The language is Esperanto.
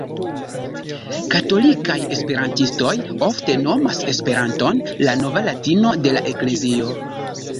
Katolikaj esperantistoj ofte nomas Esperanton "la nova latino de la Eklezio".